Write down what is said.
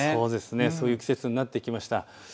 そういう季節になってきました。